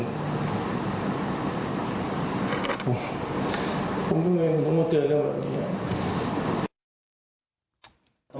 ผมไม่มีมือต้องโดนเตือนเรื่องแบบนี้